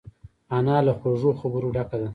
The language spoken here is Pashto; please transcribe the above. انا له خوږو خبرو ډکه ده